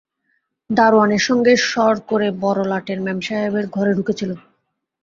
দারোয়ানের সঙ্গে ষড় করে বড়োলাটের মেমসাহেবের ঘরে ঢুকেছিল।